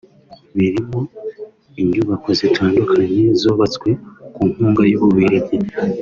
birimo inyubako zitandukanye zubatswe ku nkunga y’u Bubiligi